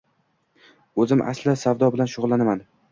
Oʻzim asli savdo bilan shugʻullanaman